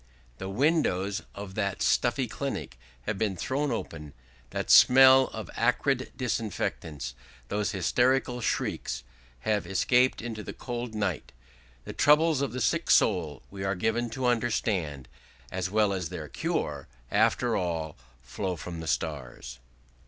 The windows of that stuffy clinic have been thrown open; that smell of acrid disinfectants, those hysterical shrieks, have escaped into the cold night. The troubles of the sick soul, we are given to understand, as well as their cure, after all flow from the stars.